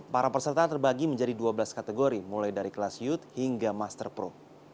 para peserta terbagi menjadi dua belas kategori mulai dari kelas youth hingga master pro